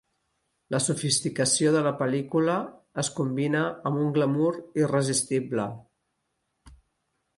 La sofisticació de la pel·lícula es combina amb un glamur irresistible.